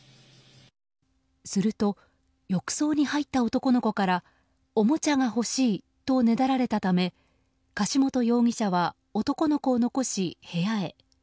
すると、浴槽に入った男の子からおもちゃが欲しいとねだられたため柏本容疑者は男の子を残し部屋へ。